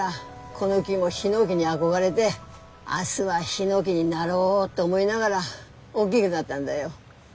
この木もヒノキに憧れで明日はヒノキになろうって思いながら大きぐなったんだよ。